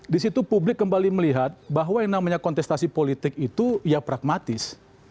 di situ publik kembali melihat bahwa yang namanya kontestasi politik itu ya pragmatis